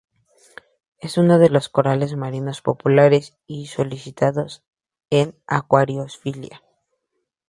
Es uno de los corales marinos populares y solicitados en acuariofilia.